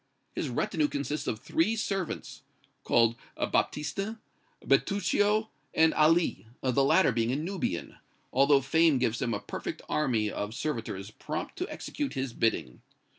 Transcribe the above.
His retinue consists of three servants, called Baptistin, Bertuccio and Ali, the latter being a Nubian, although fame gives him a perfect army of servitors prompt to execute his bidding.